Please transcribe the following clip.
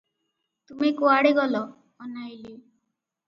ତୁମେ କୁଆଡେ ଗଲ, ଅନାଇଲି ।